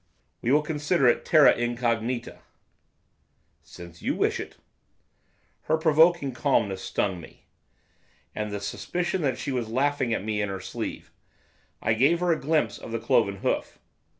'We will consider it terra incognita.' 'Since you wish it.' Her provoking calmness stung me, and the suspicion that she was laughing at me in her sleeve. I gave her a glimpse of the cloven hoof.